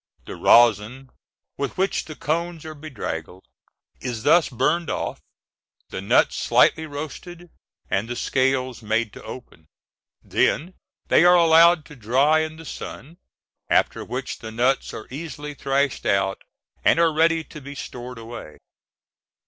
The resin, with which the cones are bedraggled, is thus burned off, the nuts slightly roasted, and the scales made to open. Then they are allowed to dry in the sun, after which the nuts are easily thrashed out and are ready to be stored away.